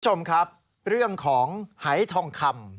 คุณผู้ชมครับเรื่องของหายทองคำ